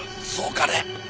そうかね？